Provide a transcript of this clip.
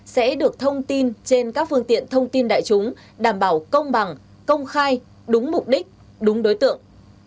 sẽ được thông tin trên các phương tiện thông tin đại chúng đảm bảo công bằng công khai đúng mục đích đúng đối tượng